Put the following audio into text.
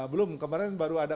belum kemarin baru ada